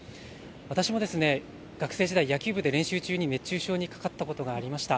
私も学生時代、野球部で練習中に熱中症にかかったことがありました。